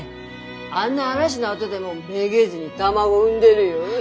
あんな嵐のあどでもめげずに卵産んでるよ！